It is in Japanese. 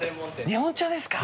日本茶ですか。